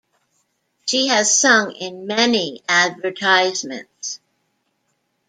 She has sung in many advertisements.